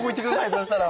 そしたら！